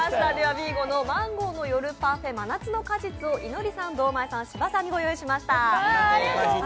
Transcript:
ＶＩＧＯのマンゴーのカフェ、真夏の果実をいのりさん、堂前さん、芝さんにご用意いたしました。